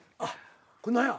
これ何や？